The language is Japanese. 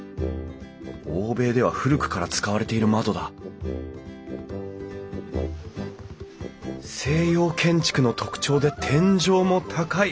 欧米では古くから使われている窓だ西洋建築の特徴で天井も高い！